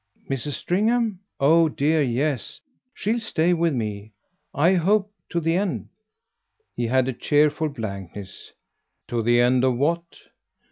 "Mrs. Stringham? Oh dear, yes. She'll stay with me, I hope, to the end." He had a cheerful blankness. "To the end of what?"